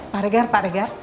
pak regar pak regar